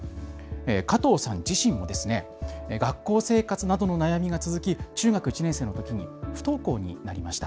加藤さん自身も学校生活などの悩みが続き中学１年生のときに不登校になりました。